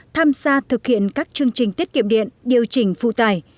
tham gia thực hiện các chương trình tiết kiệm điện điều chỉnh phụ tải